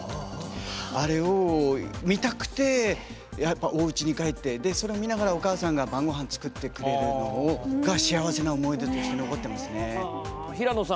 あれを見たくておうちに帰って、それを見ながらお母さんが晩ごはんを作ってくれるのが幸せな思い出として残ってますね。